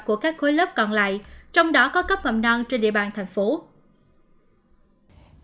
của các khối lớp còn lại trong đó có cấp phòng năng trên địa bàn tp hcm